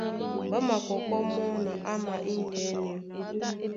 Ɓá makɔkɔ́ mɔ́ na ama índɛ́nɛ.